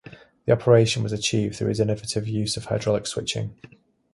This operation was achieved through his innovative use of hydraulic switching.